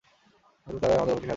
হয়ত তারাই আমাদের অপেক্ষায় আছে।